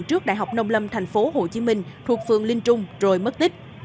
trước đại học nông lâm tp hcm thuộc phường linh trung rồi mất tích